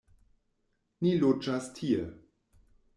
Ni loĝas tie.